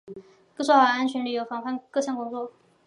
做好旅游安全风险防范各项工作